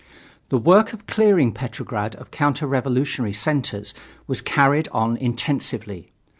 The work of clearing Petrograd of counter revolutionary centers was carried on intensively.